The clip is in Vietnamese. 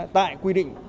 tại quy định